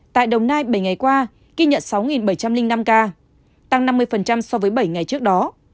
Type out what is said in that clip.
tại đồng nai bảy ngày qua ghi nhận sáu bảy trăm linh năm ca tăng năm mươi so với bảy ngày trước đó